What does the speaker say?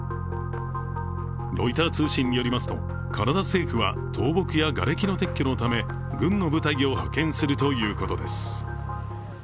ロイター通信によりますとカナダ政府は倒木やがれきの撤去のため軍の部隊を派遣するということです。